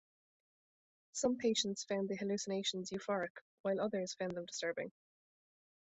Some patients found the hallucinations euphoric while others found them disturbing.